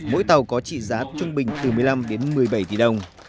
mỗi tàu có trị giá trung bình từ một mươi năm đến một mươi bảy tỷ đồng